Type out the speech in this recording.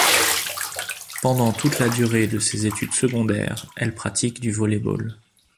Pendant toute la durée de ses études secondaires, elle pratique du volley-ball.